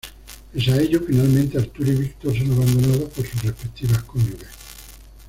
Pese a ello, finalmente Arturo y Víctor son abandonados por sus respectivas cónyuges.